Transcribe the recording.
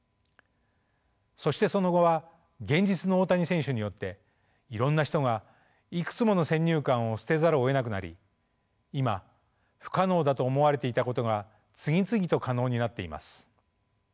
そしてその後は現実の大谷選手によっていろんな人がいくつもの先入観を捨てざるをえなくなり今不可能だと思われていたことが次々と可能になっています。